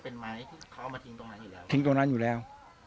ทิ้งตรงนั้นอยู่แล้วทิ้งตรงนั้นอยู่แล้ว